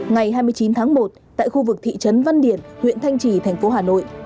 ngày hai mươi chín tháng một tại khu vực thị trấn văn điển huyện thanh trì thành phố hà nội